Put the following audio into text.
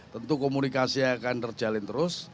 tentu komunikasi akan terjalin terus